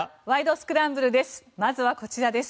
スクランブル」です。